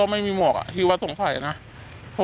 มันมีเยอะซอยครับ